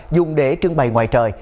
dùng để trưng bày ngoài trời